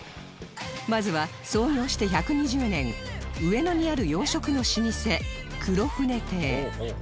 まずは創業して１２０年上野にある洋食の老舗黒船亭